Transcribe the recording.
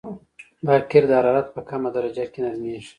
دا قیر د حرارت په کمه درجه کې نرمیږي